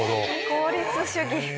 効率主義！